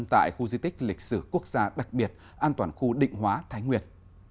tại khu di tích lịch sử quốc gia đặc biệt an toàn khu định hóa thái nguyệt